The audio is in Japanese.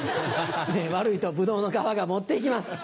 で悪いとブドウの皮が持って行きます。